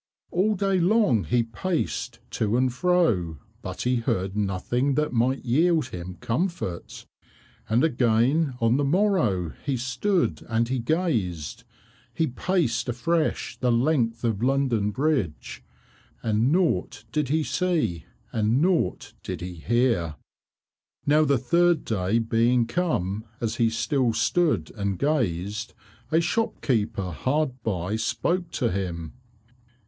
All day long he paced to and fro, but he heard nothing that might yield him comfort. And again on the morrow he stood and he gazed he paced afresh the length of London Bridge, but naught did he see and naught did he hear. Now the third day being come as he still stood and gazed, a shopkeeper hard by spoke to him.